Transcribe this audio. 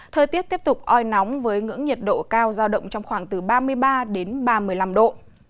thời tiết tiếp tục oi nóng với ngưỡng nhiệt độ cao giao động trong khoảng từ ba mươi ba đến ba mươi năm độ